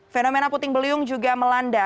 fenomena puting beliung juga melanda